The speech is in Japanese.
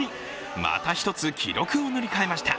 また１つ記録を塗り替えました。